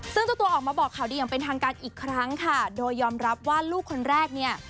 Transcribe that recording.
ซึ่งเจ้าตัวออกมาบอกข่าวดีอย่างเป็นทางการอีกครั้งค่ะโดยยอมรับว่าลูกคนแรกเนี่ย